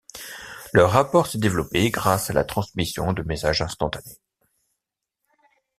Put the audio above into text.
Leur rapport s'est développé grâce à la transmission de messages instantanés.